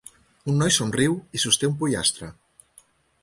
Un noi somriu i sosté un pollastre.